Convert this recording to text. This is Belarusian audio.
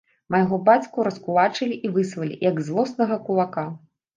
Майго бацьку раскулачылі і выслалі, як злоснага кулака.